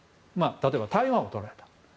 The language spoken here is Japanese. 例えば、台湾を取られている。